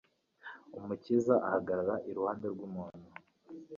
Umukiza ahagarara iruhande rw'umuntu,